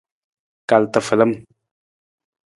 Kal tafalam.